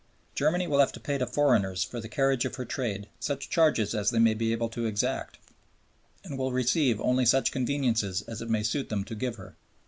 Germany will have to pay to foreigners for the carriage of her trade such charges as they may be able to exact, and will receive only such conveniences as it may suit them to give her.